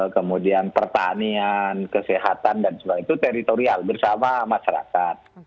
kemudian pertanian kesehatan dan sebagainya itu teritorial bersama masyarakat